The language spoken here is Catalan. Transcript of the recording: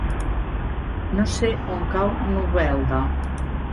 No sé on cau Novelda.